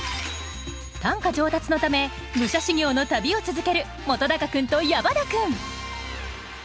短歌上達のため武者修行の旅を続ける本君と矢花君